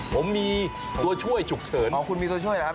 ผมมีตัวช่วยฉุกเฉินของคุณมีตัวช่วยครับ